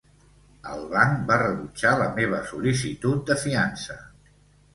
El banc va rebutjar la meva sol·licitud de fiança.